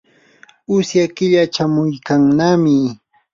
usya killa chamuykannami.